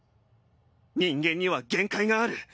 人間には限界がある。